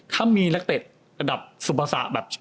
ถ้ามีนักเต็บสุภาษาแบบ